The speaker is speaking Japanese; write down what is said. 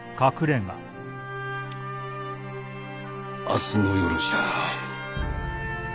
明日の夜じゃな。